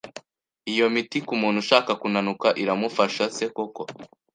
Iyo miti kumuntu ushaka kunanuka iramufasha se koko